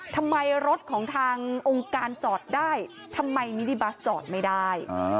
ทำไมรถของทางองค์การจอดได้ทำไมมินิบัสจอดไม่ได้